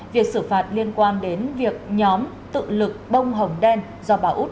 việc xử phạt liên quan đến việc nhóm tự lực bông hồng đen do bà út